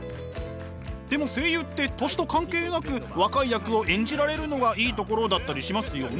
でも声優って年と関係なく若い役を演じられるのがいいところだったりしますよね？